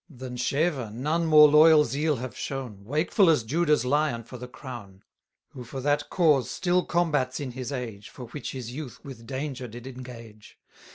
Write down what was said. Than Sheva none more loyal zeal have shown, Wakeful as Judah's lion for the crown; Who for that cause still combats in his age, For which his youth with danger did engage.